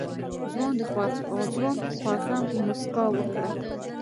ځوان خوږه موسکا وکړه.